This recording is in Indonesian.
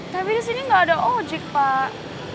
tapi disini gak ada ojik pak